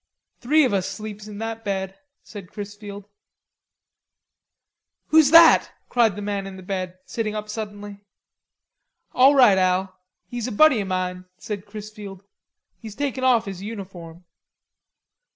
"Three of us sleeps in that bed," said Chrisfield. "Who's that?" cried the man in the bed, sitting up suddenly. "All right, Al, he's a buddy o' mine," said Chrisfield. "He's taken off his uniform."